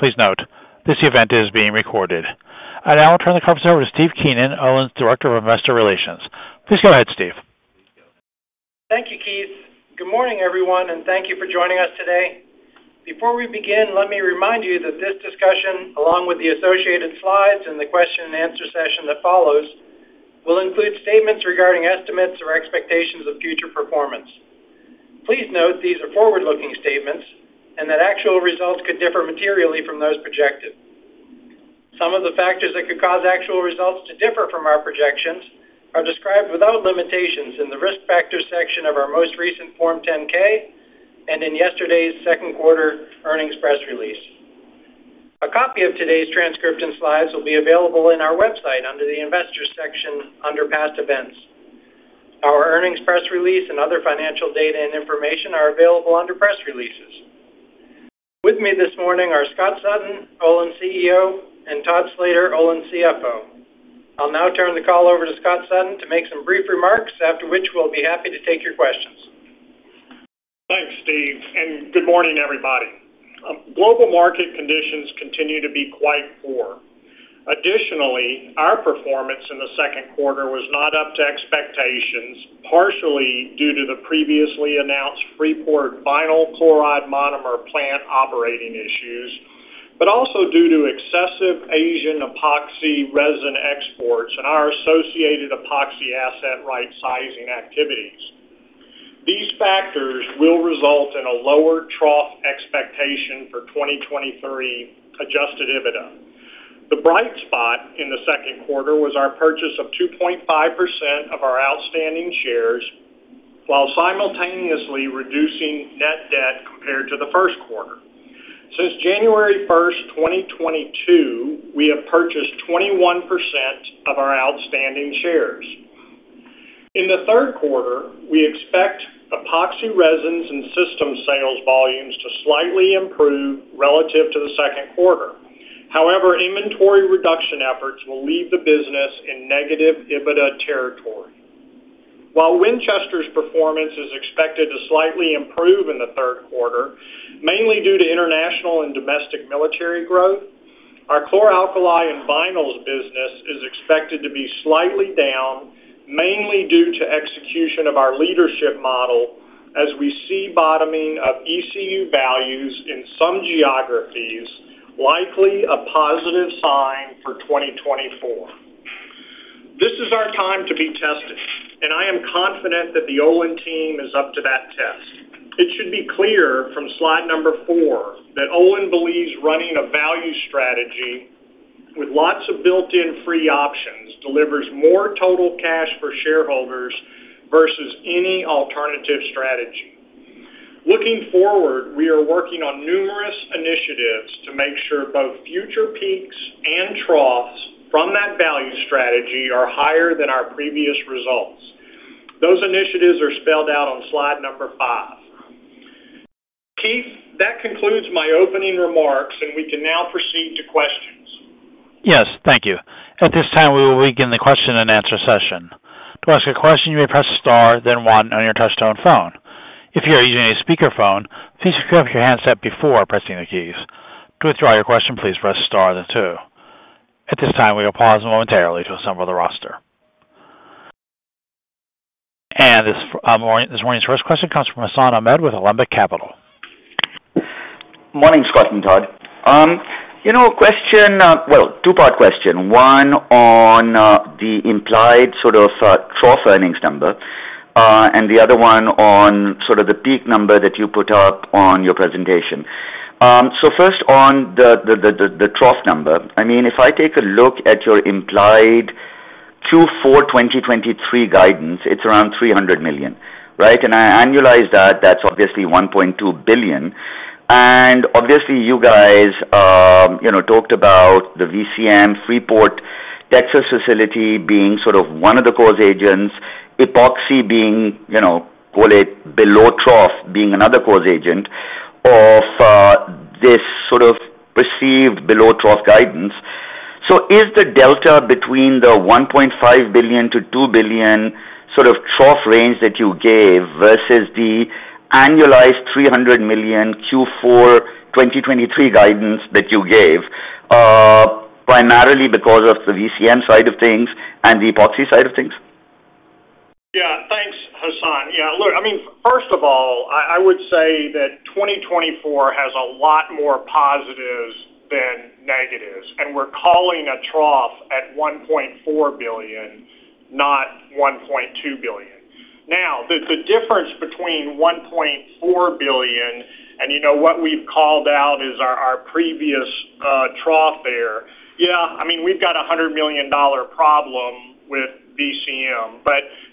Please note, this event is being recorded. I now turn the conference over to Steve Keenan, Olin's Director of Investor Relations. Please go ahead, Steve. Thank you, Keith. Good morning, everyone, and thank you for joining us today. Before we begin, let me remind you that this discussion, along with the associated slides and the question and answer session that follows, will include statements regarding estimates or expectations of future performance. Please note these are forward-looking statements and that actual results could differ materially from those projected. Some of the factors that could cause actual results to differ from our projections are described without limitations in the Risk Factors section of our most recent Form 10-K and in yesterday's Q2 earnings press release. A copy of today's transcript and slides will be available in our website under the Investors section under Past Events. Our earnings press release and other financial data and information are available under Press Releases. With me this morning are Scott Sutton, Olin CEO, and Todd Slater, Olin CFO. I'll now turn the call over to Scott Sutton to make some brief remarks, after which we'll be happy to take your questions. Thanks, Steve. Good morning, everybody. Global market conditions continue to be quite poor. Additionally, our performance in the Q2 was not up to expectations, partially due to the previously announced Freeport Vinyl Chloride Monomer plant operating issues, but also due to excessive Asian epoxy resin exports and our associated epoxy asset right-sizing activities. These factors will result in a lower trough expectation for 2023 adjusted EBITDA. The bright spot in the Q2 was our purchase of 2.5% of our outstanding shares, while simultaneously reducing net debt compared to the Q1. Since January 1st, 2022, we have purchased 21% of our outstanding shares. In the Q3, we expect epoxy resins and system sales volumes to slightly improve relative to the Q2. However, inventory reduction efforts will leave the business in negative EBITDA territory. While Winchester's performance is expected to slightly improve in the Q3, mainly due to international and domestic military growth, our chlor-alkali and vinyls business is expected to be slightly down, mainly due to execution of our leadership model as we see bottoming of ECU values in some geographies, likely a positive sign for 2024. This is our time to be tested, I am confident that the Olin team is up to that test. It should be clear from slide number four that Olin believes running a value strategy with lots of built-in free options delivers more total cash for shareholders versus any alternative strategy. Looking forward, we are working on numerous initiatives to make sure both future peaks and troughs from that value strategy are higher than our previous results. Those initiatives are spelled out on slide number five. Keith, that concludes my opening remarks, and we can now proceed to questions. Yes, thank you. At this time, we will begin the question and answer session. To ask a question, you may press star, then 1 on your touchtone phone. If you are using a speakerphone, please pick up your handset before pressing the keys. To withdraw your question, please press star then 2. At this time, we will pause momentarily to assemble the roster. This morning's first question comes from Hassan Ahmed with Alembic Capital. Morning, Scott and Todd. You know, a question. Well, two-part question, one on the implied sort of trough earnings number, and the other one on sort of the peak number that you put up on your presentation. First on the trough number, I mean, if I take a look at your implied Q4 2023 guidance, it's around $300 million, right? I annualize that, that's obviously $1.2 billion. Obviously, you guys, you know, talked about the VCM Freeport, Texas, facility being sort of one of the cause agents, Epoxy being, you know, call it below trough, being another cause agent of this sort of perceived below trough guidance. Is the delta between the $1.5 billion-$2 billion sort of trough range that you gave versus the annualized $300 million Q4 2023 guidance that you gave, primarily because of the VCM side of things and the Epoxy side of things? Yeah. Thanks, Hassan. Yeah, look, I mean, first of all, I, I would say that 2024 has a lot more positives than negatives. We're calling a trough at $1.4 billion, not $1.2 billion. Now, the, the difference between $1.4 billion and, you know, what we've called out is our, our previous trough there. Yeah, I mean, we've got a $100 million problem with VCM.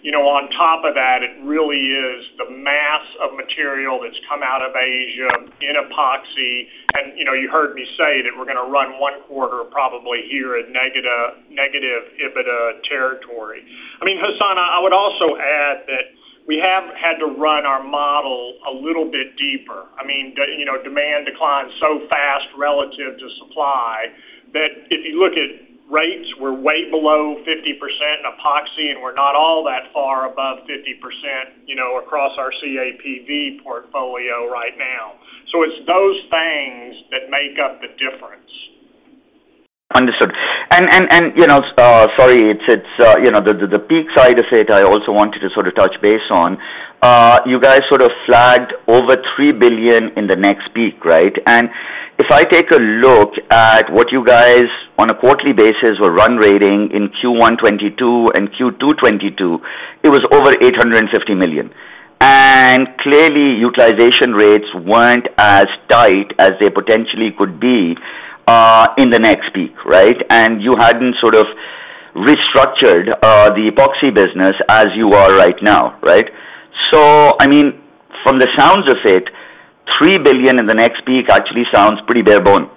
You know, on top of that, it really is the mass of material that's come out of Asia in epoxy. You know, you heard me say that we're gonna run 1 quarter, probably here at negative, negative EBITDA territory. I mean, Hassan, I, I would also add that we have had to run our model a little bit deeper. I mean, the, you know, demand declined so fast relative to supply, that if you look at rates, we're way below 50% in Epoxy, and we're not all that are above 50%, you know, across our CAPV portfolio right now. It's those things that make up the difference. Understood. You know, sorry, it's, you know, the peak side of it, I also wanted to sort of touch base on. You guys sort of flagged over $3 billion in the next peak, right? If I take a look at what you guys, on a quarterly basis, were run rating in Q1 2022 and Q2 2022, it was over $850 million. Clearly, utilization rates weren't as tight as they potentially could be in the next peak, right? You hadn't sort of restructured the Epoxy business as you are right now, right? I mean, from the sounds of it, $3 billion in the next peak actually sounds pretty bare bone.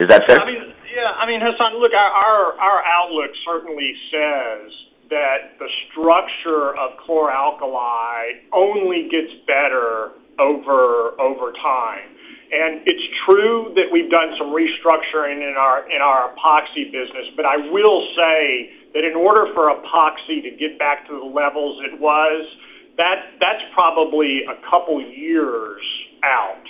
Is that fair? I mean, yeah. I mean, Hassan, look, our, our outlook certainly says that the structure of chlor-alkali only gets better over, over time. It's true that we've done some restructuring in our, in our Epoxy business. I will say that in order for Epoxy to get back to the levels it was, that, that's probably a couple years out.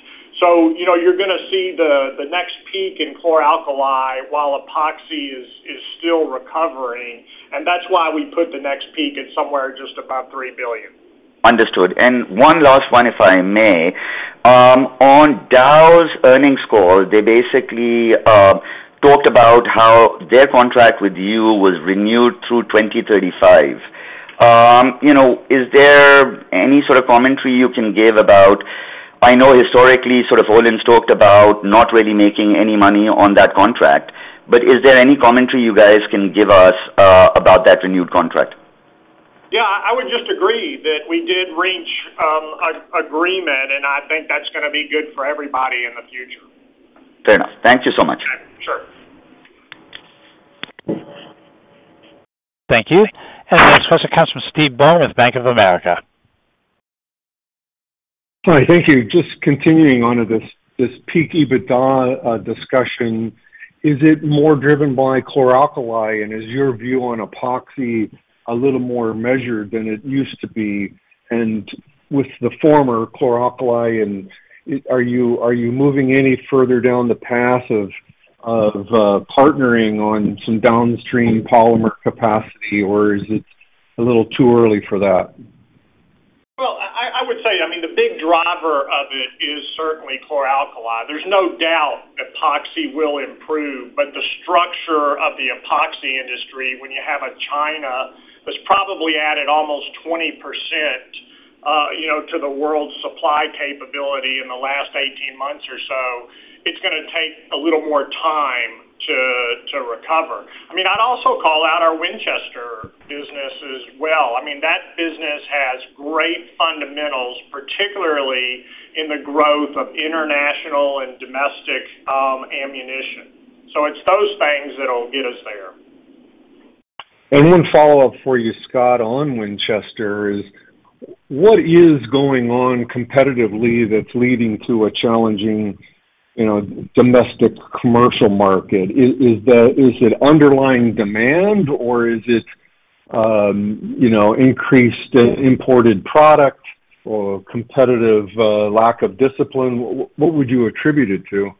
You know, you're gonna see the, the next peak in chlor-alkali while Epoxy is, is still recovering, and that's why we put the next peak at somewhere just about $3 billion. Understood. One last one, if I may. On Dow's earnings call, they basically talked about how their contract with you was renewed through 2035. You know, is there any sort of commentary you can give about... I know historically, sort of Olin's talked about not really making any money on that contract, but is there any commentary you guys can give us about that renewed contract? Yeah, I would just agree that we did reach an agreement, and I think that's gonna be good for everybody in the future. Fair enough. Thank you so much. Sure. Thank you. The next question comes from Steve Byrne with Bank of America. Hi, thank you. Just continuing on to this, this peak EBITDA discussion, is it more driven by chlor-alkali? Is your view on Epoxy a little more measured than it used to be? With the former chlor-alkali and, are you, are you moving any further down the path of, of, partnering on some downstream polymer capacity, or is it a little too early for that? Well, I, I would say, I mean, the big driver of it is certainly chlor-alkali. There's no doubt Epoxy will improve, but the structure of the Epoxy industry, when you have a China, has probably added almost 20%, you know, to the world's supply capability in the last 18 months or so, it's gonna take a little more time to, to recover. I mean, I'd also call out our Winchester business as well. I mean, that business has great fundamentals, particularly in the growth of international and domestic ammunition. It's those things that'll get us there. One follow-up for you, Scott, on Winchester is: what is going on competitively that's leading to a challenging, you know, domestic commercial market? Is it underlying demand, or is it, you know, increased imported product or competitive lack of discipline? What, what would you attribute it to?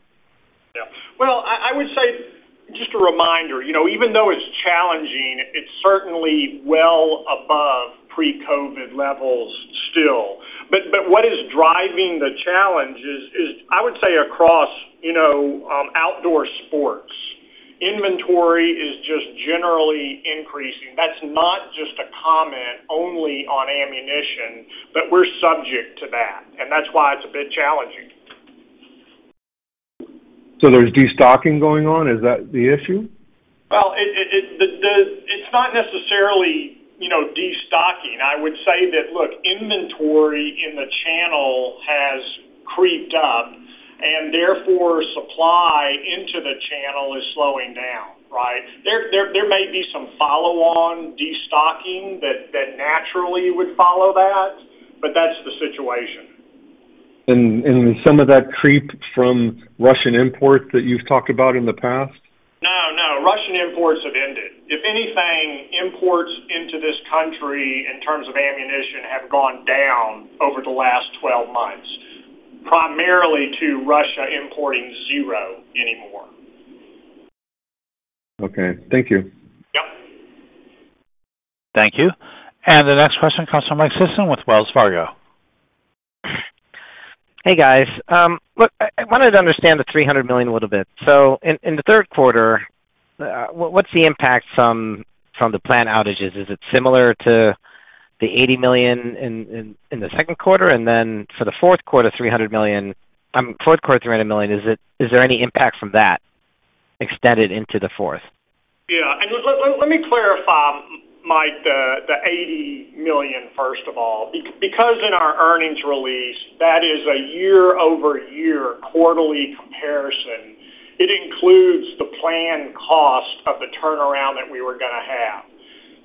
Yeah. Well, I, I would say, just a reminder, you know, even though it's challenging, it's certainly well above pre-COVID levels still. But what is driving the challenge is, is I would say across, you know, outdoor sports. Inventory is just generally increasing. That's not just a comment only on ammunition, but we're subject to that, and that's why it's a bit challenging. There's destocking going on, is that the issue? Well, it's not necessarily, you know, destocking. I would say that, look, inventory in the channel has creeped up, and therefore, supply into the channel is slowing down, right? There may be some follow-on destocking that, that naturally would follow that, but that's the situation. And some of that creep from Russian imports that you've talked about in the past? No, no. Russian imports have ended. If anything, imports into this country, in terms of ammunition, have gone down over the last 12 months, primarily to Russia importing 0 anymore. Okay, thank you. Yep. Thank you. The next question comes from Mike Sison with Wells Fargo. Hey, guys. look, I, I wanted to understand the $300 million a little bit. In, in the Q3, what, what's the impact from, from the plant outages? Is it similar to the $80 million in, in, in the Q2? Then for the Q4, $300 million, Q4, $300 million, is there any impact from that extended into the fourth? Yeah. Let, let, let me clarify, Mike, the, the $80 million, first of all. Because in our earnings release, that is a year-over-year quarterly comparison, it includes the planned cost of the turnaround that we were gonna have.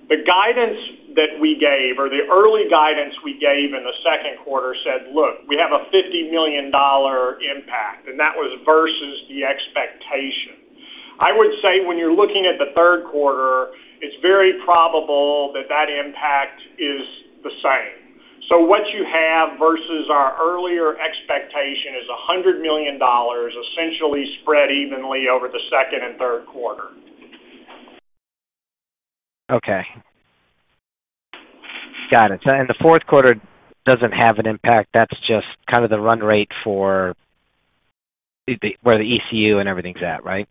The guidance that we gave, or the early guidance we gave in the Q2 said, "Look, we have a $50 million impact," that was versus the expectation. I would say when you're looking at the Q3, it's very probable that that impact is the same. What you have versus our earlier expectation is a $100 million essentially spread evenly over the second and Q3. Okay. Got it. The Q4 doesn't have an impact, that's just kind of the run rate for the, where the ECU and everything's at, right?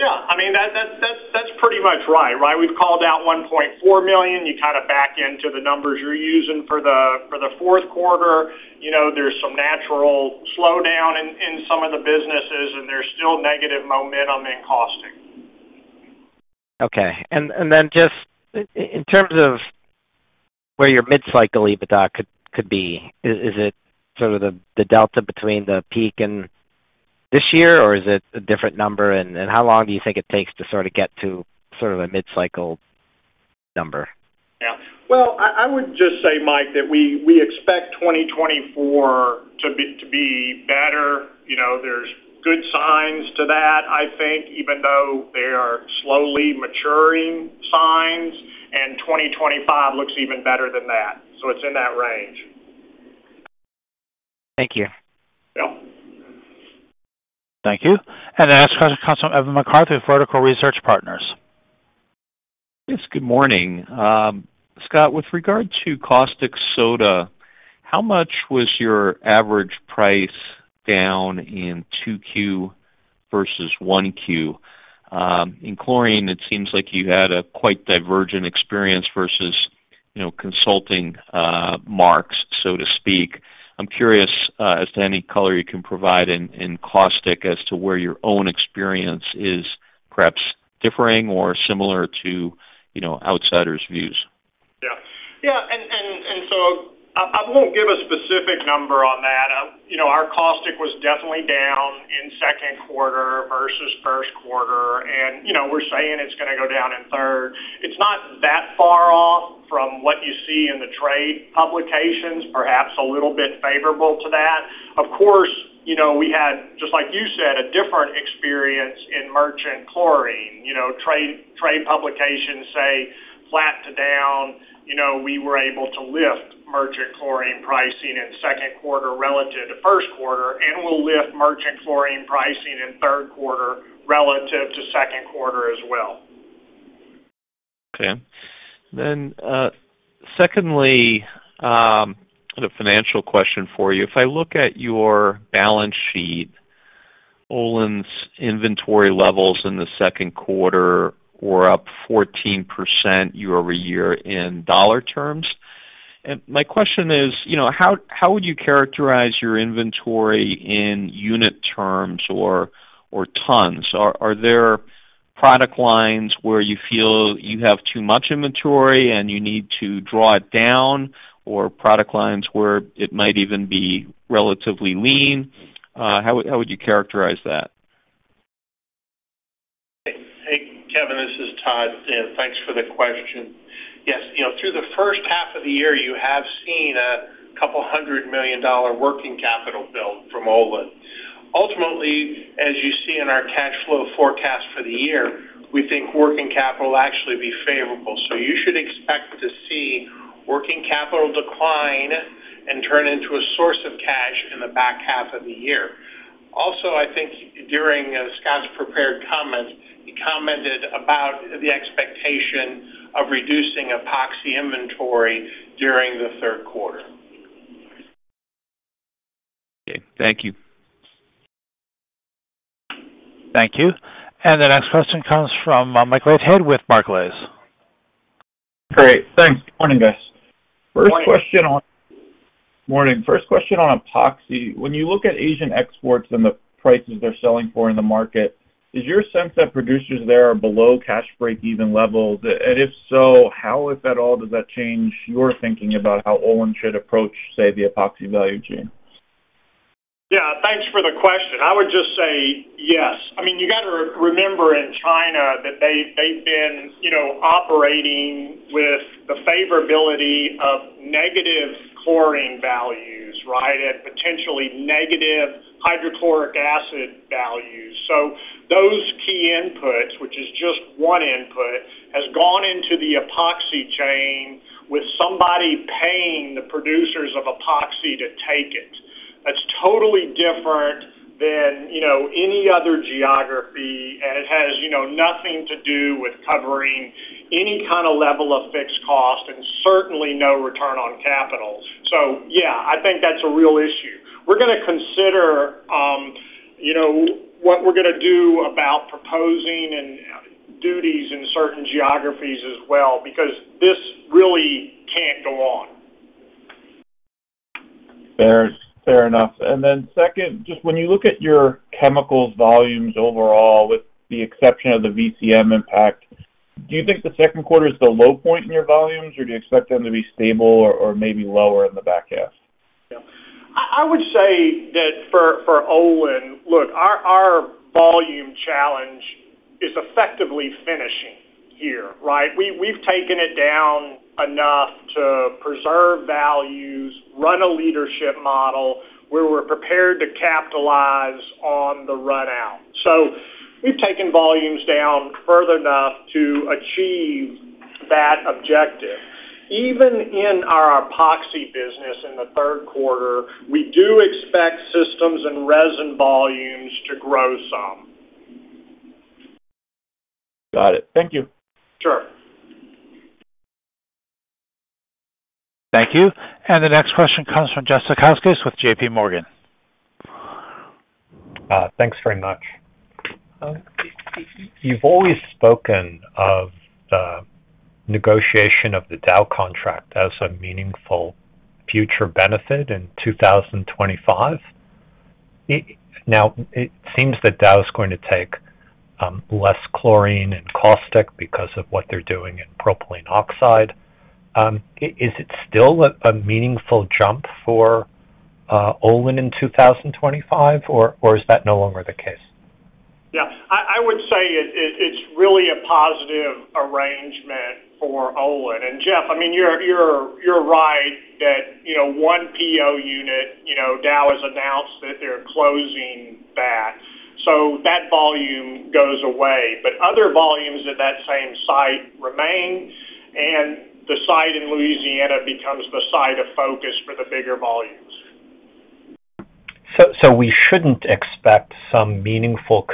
Yeah. I mean, that, that, that's, that's pretty much right, right? We've called out $1.4 million. You kind of back into the numbers you're using for the, for the Q4. You know, there's some natural slowdown in, in some of the businesses, and there's still negative momentum in caustic. Okay. Then just in terms of where your mid-cycle EBITDA could be, is it sort of the delta between the peak and this year, or is it a different number? How long do you think it takes to sort of get to sort of a mid-cycle number? Yeah. Well, I, I would just say, Mike, that we, we expect 2024 to be, to be better. You know, there's good signs to that, I think, even though they are slowly maturing signs, 2025 looks even better than that. It's in that range. Thank you. Yeah. Thank you. Next question comes from Kevin McCarthy, Vertical Research Partners. Yes, good morning. Scott, with regard to caustic soda, how much was your average price down in 2Q versus 1Q? In chlorine, it seems like you had a quite divergent experience versus, you know, consulting marks, so to speak. I'm curious as to any color you can provide in, in caustic as to where your own experience is perhaps differing or similar to, you know, outsiders' views. Yeah. Yeah, I won't give a specific number on that. You know, our caustic was definitely down in Q2 versus Q1, and, you know, we're saying it's gonna go down in third. It's not that far off from what you see in the trade publications, perhaps a little bit favorable to that. Of course, you know, we had, just like you said, a different experience in merchant chlorine. You know, trade publications say flat to down. You know, we were able to lift merchant chlorine pricing in Q2 relative to Q1, and we'll lift merchant chlorine pricing in Q3 relative to Q2 as well. Okay. Secondly, a financial question for you. If I look at your balance sheet, Olin's inventory levels in the Q2 were up 14% year-over-year in dollar terms. My question is, you know, how, how would you characterize your inventory in unit terms or, or tons? Are, are there product lines where you feel you have too much inventory and you need to draw it down, or product lines where it might even be relatively lean? How, how would you characterize that? Hey, Kevin, this is Todd. Thanks for the question. Yes, you know, through the first half of the year, you have seen a $200 million working capital build from Olin. Ultimately, as you see in our cash flow forecast for the year, we think working capital will actually be favorable. You should expect to see working capital decline and turn into a source of cash in the back half of the year. Also, I think during Scott's prepared comments, he commented about the expectation of reducing epoxy inventory during the Q3. Okay. Thank you. Thank you. The next question comes from Michael Leithead with Barclays. Great. Thanks. Good morning, guys. Morning. Morning. First question on Epoxy. When you look at Asian exports and the prices they're selling for in the market, is your sense that producers there are below cash breakeven levels? If so, how, if at all, does that change your thinking about how Olin should approach, say, the epoxy value chain? Thanks for the question. I would just say yes. I mean, you got to remember in China that they've been, you know, operating with the favorability of negative chlorine values, right? Potentially negative hydrochloric acid values. Those key inputs, which is just one input, has gone into the Epoxy chain with somebody paying the producers of Epoxy to take it. That's totally different than, you know, any other geography, and it has, you know, nothing to do with covering any kind of level of fixed cost and certainly no return on capital. Yeah, I think that's a real issue. We're gonna consider, you know, what we're gonna do about proposing and duties in certain geographies as well, because this really can't go on. Fair. Fair enough. Then second, just when you look at your chemicals volumes overall, with the exception of the VCM impact, do you think the Q2 is the low point in your volumes, or do you expect them to be stable or, or maybe lower in the back half? Yeah. I, I would say that for, for Olin, look, our, our volume challenge is effectively finishing.... here, right? We, we've taken it down enough to preserve values, run a leadership model, where we're prepared to capitalize on the run out. We've taken volumes down further enough to achieve that objective. Even in our Epoxy business in the Q3, we do expect systems and resin volumes to grow some. Got it. Thank you. Sure. Thank you. The next question comes from Jeffrey Zekauskas with J.P. Morgan. Thanks very much. You've always spoken of the negotiation of the Dow contract as a meaningful future benefit in 2025. Now, it seems that Dow is going to take less chlorine and caustic because of what they're doing in propylene oxide. Is it still a meaningful jump for Olin in 2025, or is that no longer the case? Yeah. I would say it's really a positive arrangement for Olin. Jeff, I mean, you're right that, you know, one PO unit, you know, Dow has announced that they're closing that, so that volume goes away. Other volumes at that same site remain, and the site in Louisiana becomes the site of focus for the bigger volumes. So we shouldn't expect some meaningful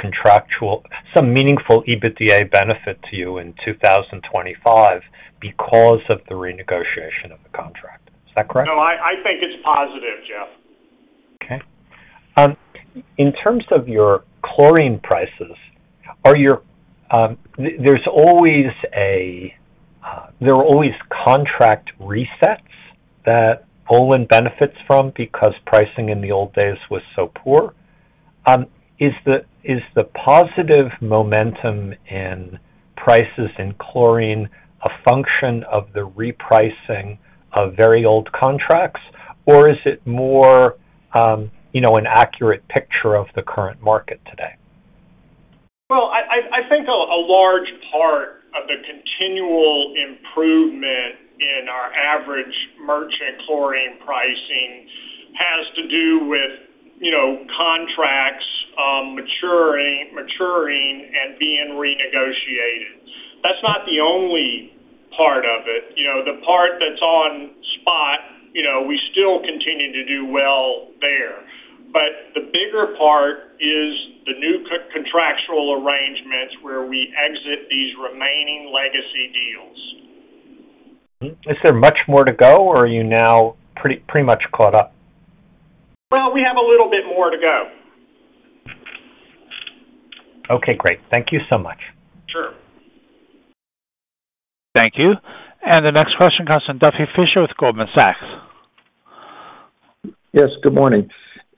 some meaningful EBITDA benefit to you in 2025 because of the renegotiation of the contract. Is that correct? No, I, I think it's positive, Jeff. Okay. In terms of your chlorine prices, are your... There's always a, there are always contract resets that Olin benefits from because pricing in the old days was so poor. Is the positive momentum in prices in chlorine a function of the repricing of very old contracts, or is it more, you know, an accurate picture of the current market today? Well, I think a large part of the continual improvement in our average merchant chlorine pricing has to do with, you know, contracts, maturing, maturing and being renegotiated. That's not the only part of it. You know, the part that's on spot, you know, we still continue to do well there. The bigger part is the new contractual arrangements where we exit these remaining legacy deals. Mm. Is there much more to go, or are you now pretty, pretty much caught up? Well, we have a little bit more to go. Okay, great. Thank you so much. Sure. Thank you. The next question comes from Duffy Fischer with Goldman Sachs. Yes, good morning.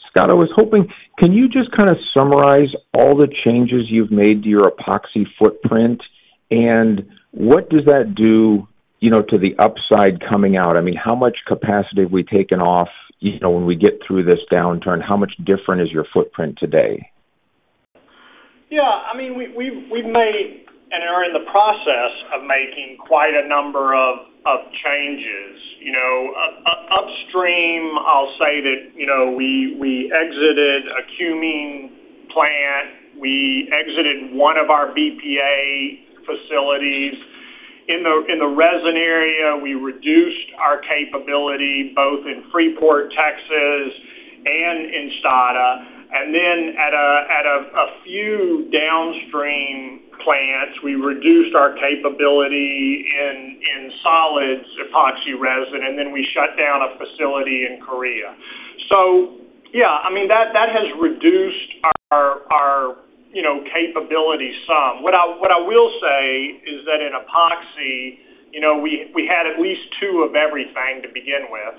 Scott, I was hoping, can you just kinda summarize all the changes you've made to your Epoxy footprint, and what does that do, you know, to the upside coming out? I mean, how much capacity have we taken off? You know, when we get through this downturn, how much different is your footprint today? I mean, we've, we've made and are in the process of making quite a number of changes. You know, upstream, I'll say that, you know, we exited a cumene plant. We exited one of our BPA facilities. In the resin area, we reduced our capability both in Freeport, Texas, and in Stade. Then at a few downstream plants, we reduced our capability in solid epoxy resin, and then we shut down a facility in Korea. I mean, that has reduced our, our, you know, capability some. What I will say is that in Epoxy, you know, we had at least two of everything to begin with,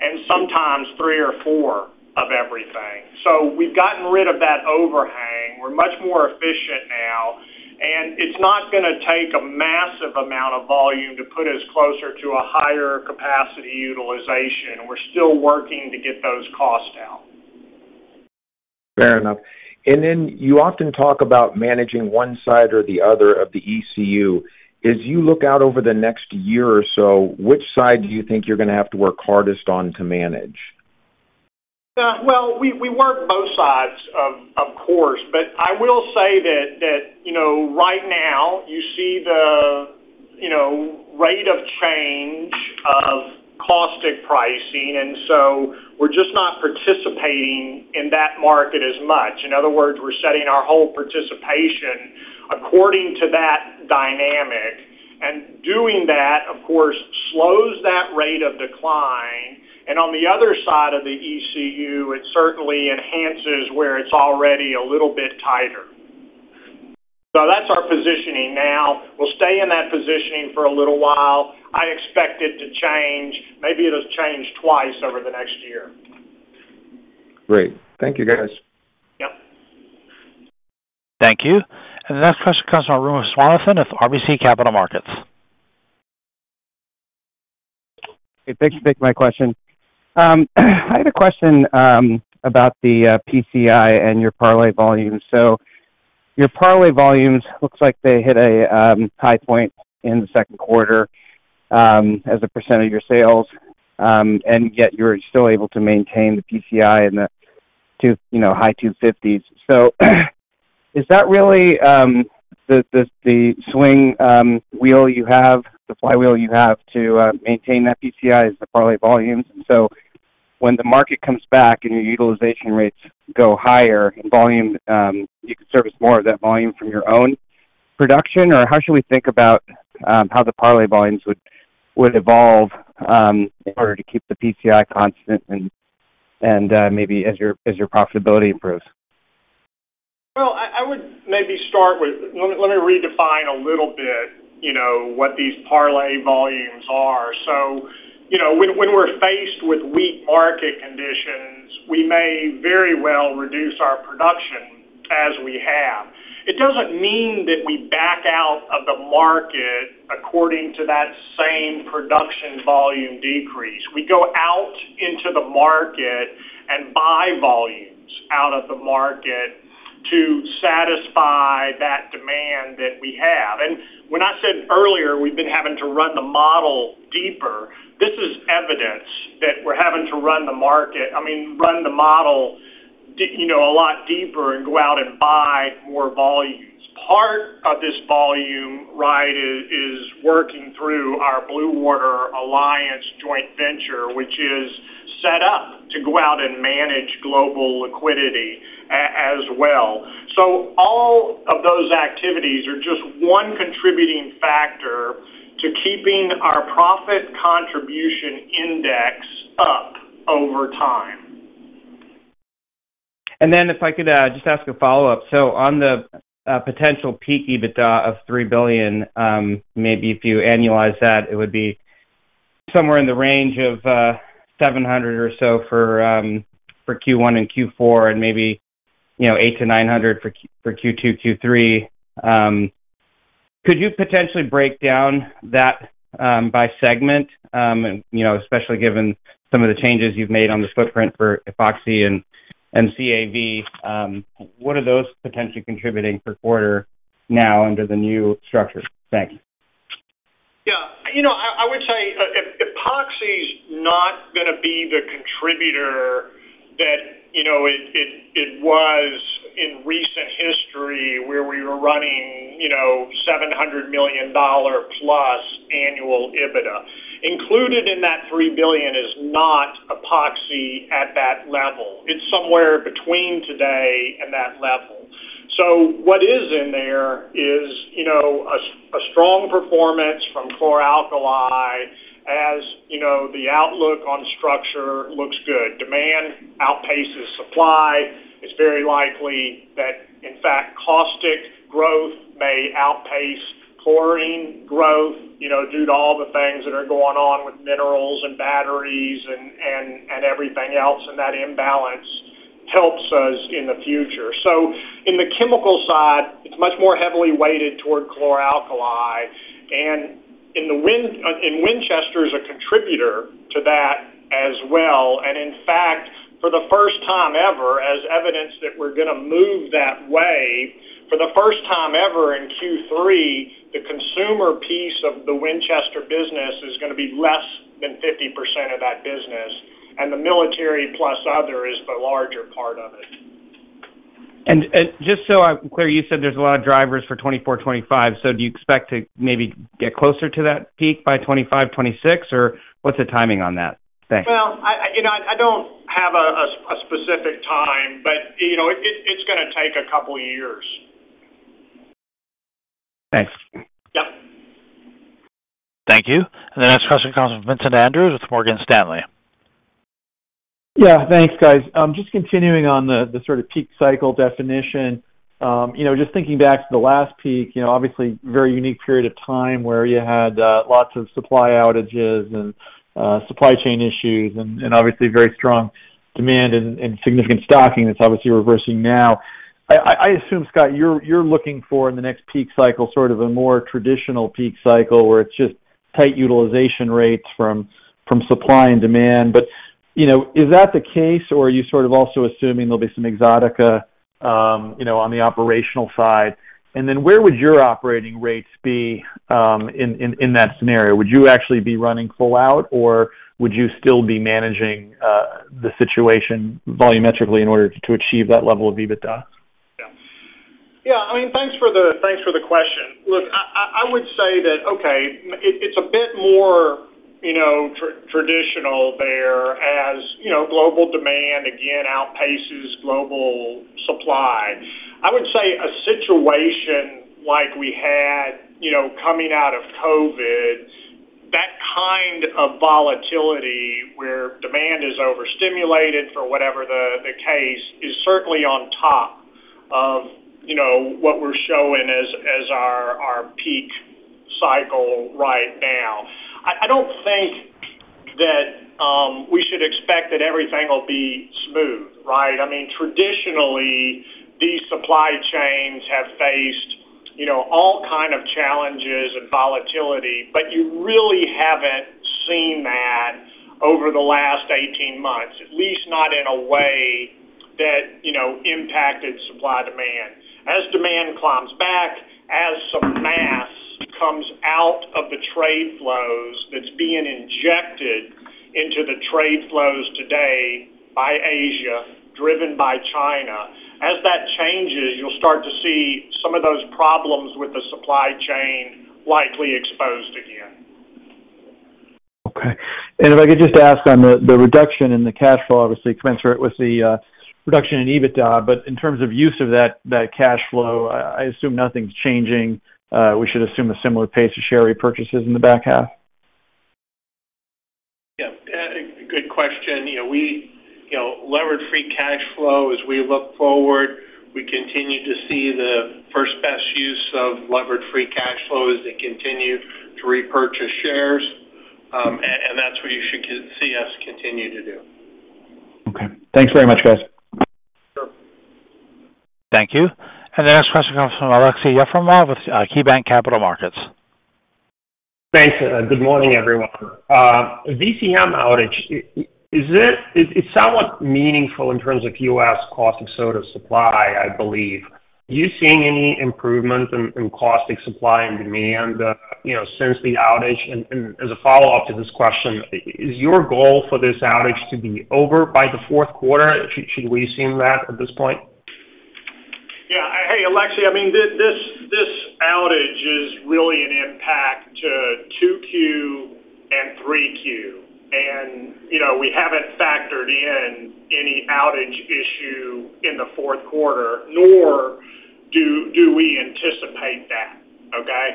and sometimes three or four of everything. So we've gotten rid of that overhang. We're much more efficient now, and it's not gonna take a massive amount of volume to put us closer to a higher capacity utilization. We're still working to get those costs down. Fair enough. Then you often talk about managing one side or the other of the ECU. As you look out over the next year or so, which side do you think you're gonna have to work hardest on to manage? Well, we, we work both sides, of, of course, but I will say that, that, you know, right now, you see the, you know, rate of change of caustic pricing, and so we're just not participating in that market as much. In other words, we're setting our whole participation according to that dynamic. Doing that, of course, slows that rate of decline. On the other side of the ECU, it certainly enhances where it's already a little bit tighter. That's our positioning now. We'll stay in that positioning for a little while. I expect it to change. Maybe it'll change twice over the next year. Great. Thank you, guys. Yep. Thank you. The next question comes from Arun Viswanathan with RBC Capital Markets.... Hey, thanks for taking my question. I had a question about the PCI and your parlay volume. Your parlay volumes looks like they hit a high point in the Q2 as a percent of your sales, and yet you're still able to maintain the PCI in the 2, you know, high 250s. Is that really the swing wheel you have, the flywheel you have to maintain that PCI is the parlay volumes? When the market comes back and your utilization rates go higher and volume, you can service more of that volume from your own production, or how should we think about how the parlay volumes would, would evolve in order to keep the PCI constant and maybe as your, as your profitability improves? Well, I, I would maybe start with. Let me, let me redefine a little bit, you know, what these parlay volumes are. You know, when, when we're faced with weak market conditions, we may very well reduce our production as we have. It doesn't mean that we back out of the market according to that same production volume decrease. We go out into the market and buy volumes out of the market to satisfy that demand that we have. When I said earlier, we've been having to run the model deeper, this is evidence that we're having to run the market, I mean, run the model, you know, a lot deeper and go out and buy more volumes. Part of this volume, right, is, is working through our Blue Water Alliance joint venture, which is set up to go out and manage global liquidity as well. All of those activities are just one contributing factor to keeping our Profit Contribution Index up over time. Then if I could just ask a follow-up. On the potential peak EBITDA of $3 billion, maybe if you annualize that, it would be somewhere in the range of $700 or so for Q1 and Q4, and maybe, you know, $800-$900 for Q2, Q3. Could you potentially break down that by segment? You know, especially given some of the changes you've made on the footprint for Epoxy and CAPV, what are those potentially contributing per quarter now under the new structure? Thank you. Yeah. You know, I, I would say Epoxy is not gonna be the contributor that, you know, it was in recent history where we were running, you know, $700 million+ annual EBITDA. Included in that $3 billion is not Epoxy at that level. It's somewhere between today and that level. What is in there is, you know, a strong performance from chlor-alkali. As you know, the outlook on structure looks good. Demand outpaces supply. It's very likely that, in fact, caustic growth may outpace chlorine growth, you know, due to all the things that are going on with minerals and batteries and everything else, and that imbalance helps us in the future. In the chemical side, it's much more heavily weighted toward chlor-alkali, and Winchester is a contributor to that as well. In fact, for the first time ever, as evidence that we're gonna move that way, for the first time ever in Q3, the consumer piece of the Winchester business is gonna be less than 50% of that business, and the military plus other is the larger part of it. Just so I'm clear, you said there's a lot of drivers for 2024, 2025. Do you expect to maybe get closer to that peak by 2025, 2026, or what's the timing on that? Thanks. Well, I, I, you know, I don't have a, a, a specific time, but, you know, it, it's gonna take a couple of years. Thanks. Yeah. Thank you. The next question comes from Vincent Andrews with Morgan Stanley. Yeah, thanks, guys. Just continuing on the, the sort of peak cycle definition. You know, just thinking back to the last peak, you know, obviously very unique period of time where you had lots of supply outages and supply chain issues and, and obviously very strong demand and, and significant stocking that's obviously reversing now. I, I, I assume, Scott, you're, you're looking for in the next peak cycle, sort of a more traditional peak cycle, where it's just tight utilization rates from, from supply and demand. You know, is that the case, or are you sort of also assuming there'll be some exotica, you know, on the operational side? Then where would your operating rates be in, in, in that scenario? Would you actually be running full out, or would you still be managing the situation volumetrically in order to achieve that level of EBITDA? Yeah. Yeah, I mean, thanks for the, thanks for the question. Look, I, I, I would say that, okay, it, it's a bit more, you know, traditional there as, you know, global demand again, outpaces global supply. I would say a situation like we had, you know, coming out of COVID, that kind of volatility where demand is overstimulated for whatever the, the case, is certainly on top of, you know, what we're showing as, as our, our peak cycle right now. I, I don't think you'd expect that everything will be smooth, right? I mean, traditionally, these supply chains have faced, you know, all kind of challenges and volatility, but you really haven't seen that over the last eighteen months, at least not in a way that, you know, impacted supply-demand. As demand climbs back, as some mass comes out of the trade flows that's being injected into the trade flows today by Asia, driven by China, as that changes, you'll start to see some of those problems with the supply chain likely exposed again. Okay. If I could just ask on the, the reduction in the cash flow, obviously, commensurate with the reduction in EBITDA, but in terms of use of that, that cash flow, I assume nothing's changing. We should assume a similar pace of share repurchases in the back half? Yeah, good question. You know, we, you know, levered free cash flow as we look forward, we continue to see the first best use of levered free cash flow as it continue to repurchase shares. That's what you should see us continue to do. Okay. Thanks very much, guys. Sure. Thank you. The next question comes from Aleksey Yefremov, with KeyBanc Capital Markets. Thanks, good morning, everyone. VCM outage, is it somewhat meaningful in terms of US caustic soda supply, I believe? Are you seeing any improvements in, in caustic supply and demand, you know, since the outage? As a follow-up to this question, is your goal for this outage to be over by the Q4? Should we assume that at this point? Yeah. Hey, Aleksey, I mean, this, this, this outage is really an impact to 2Q and 3Q. You know, we haven't factored in any outage issue in the Q4, nor do, do we anticipate that, okay?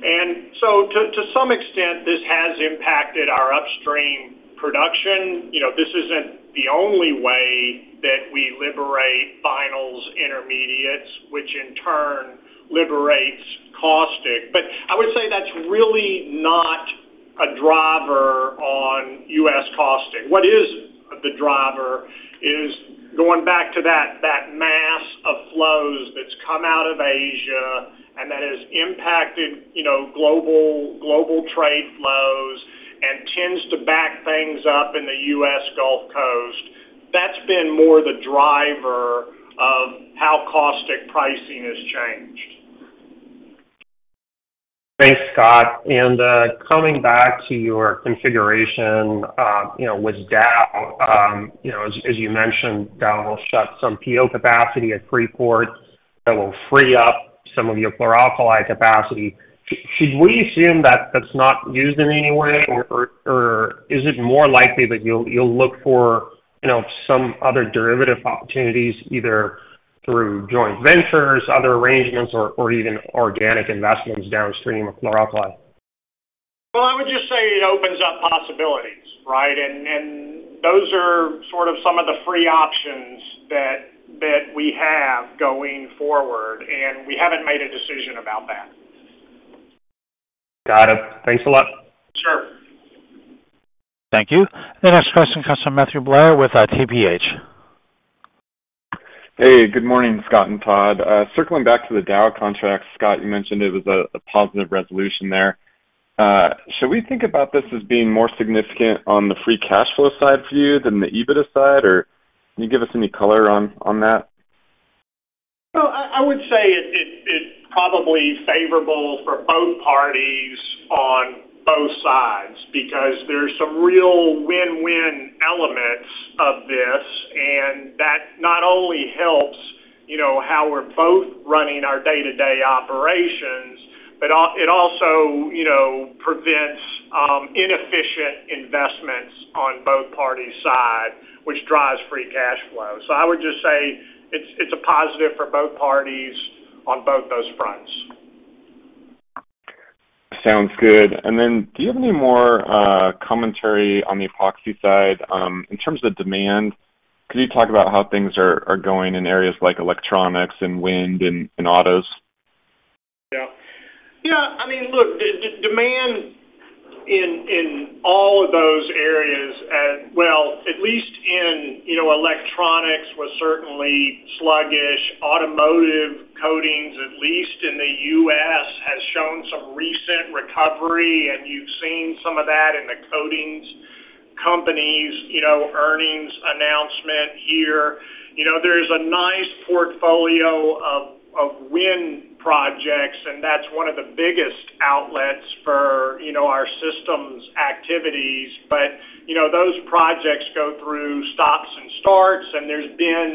To, to some extent, this has impacted our upstream production. You know, this isn't the only way that we liberate vinyls intermediates, which in turn liberates caustic. I would say that's really not a driver on US caustic. What is the driver is going back to that, that mass of flows that's come out of Asia, that has impacted, you know, global, global trade flows and tends to back things up in the US Gulf Coast. That's been more the driver of how caustic pricing has changed. Thanks, Scott. Coming back to your configuration, you know, with Dow, you know, as you mentioned, Dow will shut some PO capacity at Freeport that will free up some of your chlor-alkali capacity. Should we assume that that's not used in any way, or, or, or is it more likely that you'll, you'll look for, you know, some other derivative opportunities, either through joint ventures, other arrangements, or, or even organic investments downstream of chlor-alkali? Well, I would just say it opens up possibilities, right? Those are sort of some of the free options that, that we have going forward, and we haven't made a decision about that. Got it. Thanks a lot. Sure. Thank you. The next question comes from Matthew Blair with TPH. Hey, good morning, Scott and Todd. Circling back to the Dow contract, Scott, you mentioned it was a, a positive resolution there. Should we think about this as being more significant on the free cash flow side for you than the EBITDA side, or can you give us any color on, on that? Well, I, I would say it, it, it's probably favorable for both parties on both sides, because there's some real win-win elements of this, and that not only helps, you know, how we're both running our day-to-day operations, but it also, you know, prevents inefficient investments on both parties' side, which drives free cash flow. I would just say it's, it's a positive for both parties on both those fronts. Sounds good. Then do you have any more commentary on the Epoxy side, in terms of demand? Could you talk about how things are, are going in areas like electronics and wind and, and autos? I mean, look, the demand in all of those areas, well, at least in, you know, electronics, was certainly sluggish. Automotive coatings, at least in the US, has shown some recent recovery, and you've seen some of that in the coatings companies', you know, earnings announcement here. You know, there's a nice portfolio of wind projects, and that's one of the biggest outlets for, you know, our systems activities. You know, those projects go through stops and starts, and there's been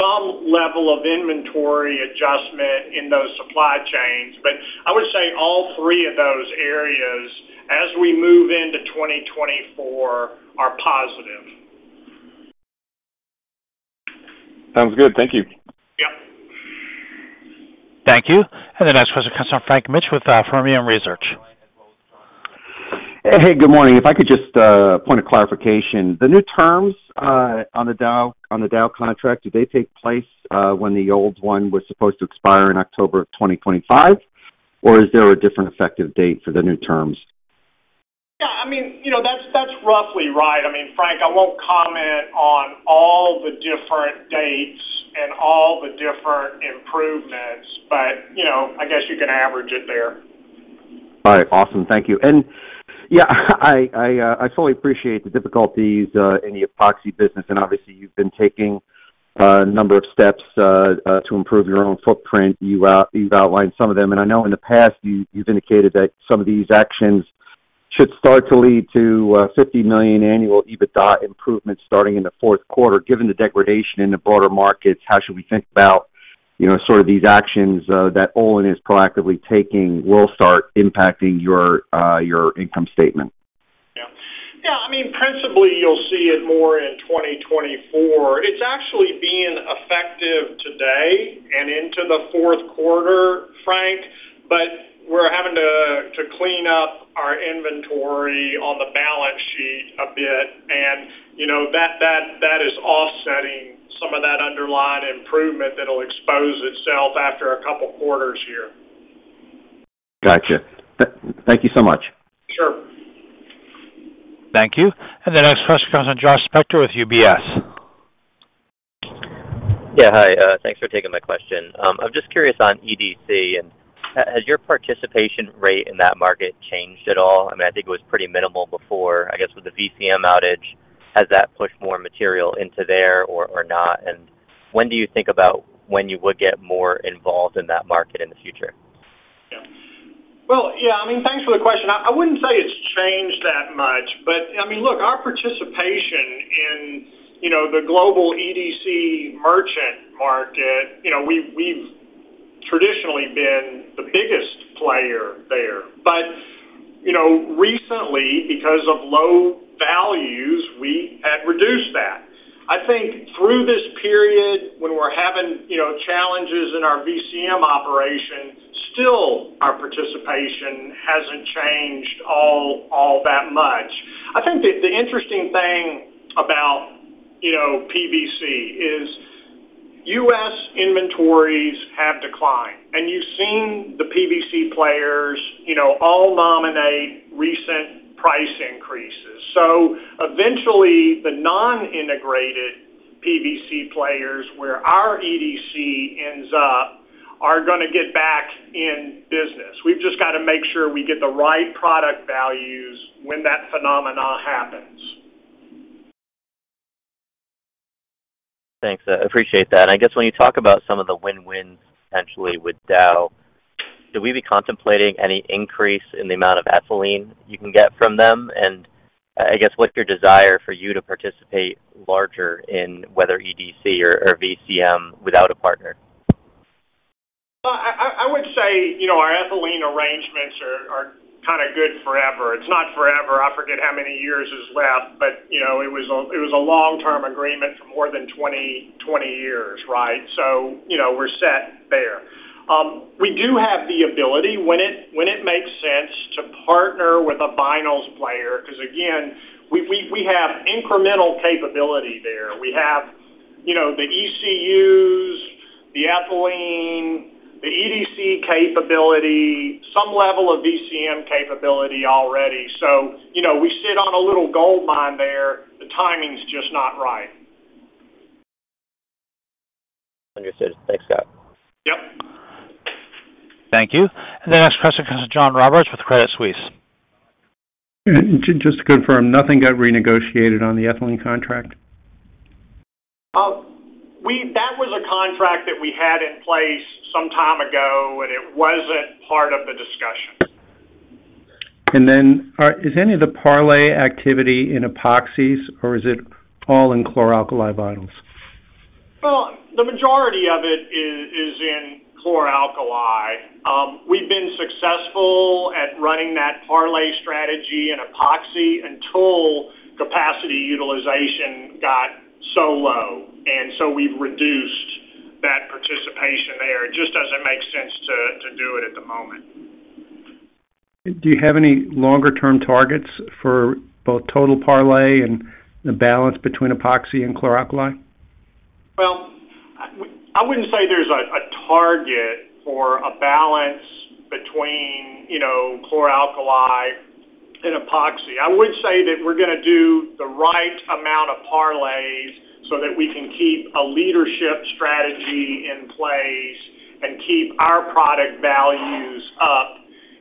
some level of inventory adjustment in those supply chains. I would say all three of those areas, as we move into 2024, are positive. Sounds good. Thank you. Yep. Thank you. The next question comes from Frank Mitsch with Fermium Research. Hey, good morning. If I could just, point of clarification: the new terms, on the Dow, on the Dow contract, do they take place, when the old one was supposed to expire in October of 2025? Or is there a different effective date for the new terms? Yeah, I mean, you know, that's, that's roughly right. I mean, Frank, I won't comment on all the different dates and all the different improvements, but, you know, I guess you can average it there. All right. Awesome. Thank you. Yeah, I, I, I fully appreciate the difficulties in the Epoxy business, and obviously, you've been taking a number of steps to improve your own footprint. You, you've outlined some of them, and I know in the past, you, you've indicated that some of these actions should start to lead to $50 million annual EBITDA improvements starting in the Q4. Given the degradation in the broader markets, how should we think about, you know, sort of these actions that Olin is proactively taking will start impacting your income statement? Yeah. Yeah, I mean, principally, you'll see it more in 2024. It's actually being effective today and into the Q4, Frank, but we're having to, to clean up our inventory on the balance sheet a bit, and, you know, that, that, that is offsetting some of that underlying improvement that'll expose itself after a couple quarters here. Gotcha. Thank you so much. Sure. Thank you. The next question comes from Josh Spector with UBS. Yeah, hi. Thanks for taking my question. I'm just curious on EDC, has your participation rate in that market changed at all? I mean, I think it was pretty minimal before. I guess, with the VCM outage, has that pushed more material into there or, or not? When do you think about when you would get more involved in that market in the future? Well, yeah, I mean, thanks for the question. I, I wouldn't say it's changed that much, but, I mean, look, our participation in, you know, the global EDC merchant market, you know, we've, we've traditionally been the biggest player there. You know, recently, because of low values, we had reduced that. I think through this period, when we're having, you know, challenges in our VCM operation, still, our participation hasn't changed all, all that much. I think the, the interesting thing about, you know, PVC is US inventories have declined, and you've seen the PVC players, you know, all nominate recent price increases. Eventually, the non-integrated PVC players, where our EDC ends up, are gonna get back in business. We've just got to make sure we get the right product values when that phenomena happens. Thanks. I appreciate that. I guess when you talk about some of the win-wins, potentially with Dow, should we be contemplating any increase in the amount of ethylene you can get from them? I guess, what's your desire for you to participate larger in whether EDC or, or VCM without a partner? Well, I, I, I would say, you know, our ethylene arrangements are, are kind of good forever. It's not forever. I forget how many years is left, but, you know, it was a, it was a long-term agreement for more than 20, 20 years, right? You know, we're set there. We do have the ability, when it, when it makes sense, to partner with a vinyls player, 'cause again, we, we, we have incremental capability there. We have, you know, the ECUs, the ethylene, the EDC capability, some level of VCM capability already. You know, we sit on a little gold mine there. The timing's just not right. Understood. Thanks, Scott. Yep. Thank you. The next question comes from John Roberts with Credit Suisse. Just to confirm, nothing got renegotiated on the ethylene contract? we... That was a contract that we had in place some time ago, and it wasn't part of the discussion. Is any of the parlay activity in Epoxies, or is it all in Chlor-alkali Vinyls? Well, the majority of it is, is in chlor-alkali. We've been successful at running that parlay strategy in Epoxy until capacity utilization got so low, and so we've reduced that participation there. It just doesn't make sense to do it at the moment. Do you have any longer-term targets for both total parlay and the balance between Epoxy and Chlor-Alkali? Well, I wouldn't say there's a target for a balance between, you know, chlor-alkali and Epoxy. I would say that we're gonna do the right amount of parlays so that we can keep a leadership strategy in place and keep our product values up,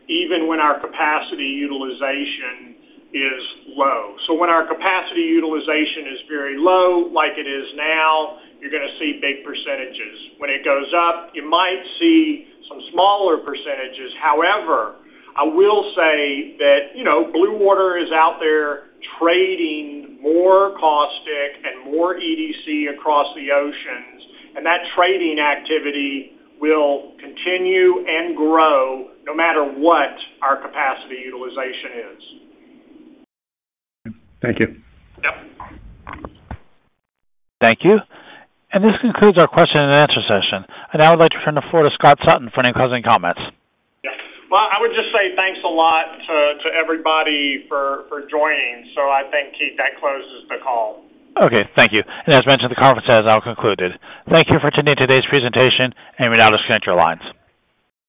even when our capacity utilization is low. When our capacity utilization is very low, like it is now, you're gonna see big percentages. When it goes up, you might see some smaller percentages. However, I will say that, you know, Blue Water is out there trading more caustic and more EDC across the oceans, and that trading activity will continue and grow no matter what our capacity utilization is. Thank you. Yep. Thank you. This concludes our question and answer session. I now would like to turn the floor to Scott Sutton for any closing comments. Yeah. Well, I would just say thanks a lot to, to everybody for, for joining. I think, Keith, that closes the call. Okay, thank you. As mentioned, the conference has now concluded. Thank you for attending today's presentation, and you may now disconnect your lines.